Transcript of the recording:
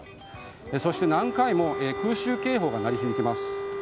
そして、何回も空襲警報が鳴り響きます。